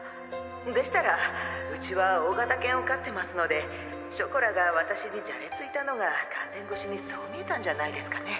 でしたらうちは大型犬を飼ってますのでショコラが私にじゃれついたのがカーテン越しにそう見えたんじゃないですかね。